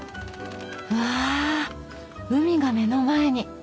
わぁ海が目の前に。